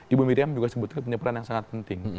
ibu miriam juga sebetulnya punya peran yang sangat penting